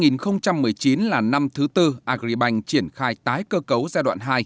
năm hai nghìn một mươi chín là năm thứ tư agribank triển khai tái cơ cấu giai đoạn hai